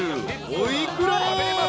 お幾ら？］